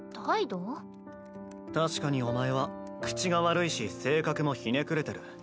確かにお前は口が悪いし性格もひねくれてる。